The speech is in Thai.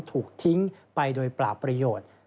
ถูกทิ้งไปโดยเปล่าประโยชน์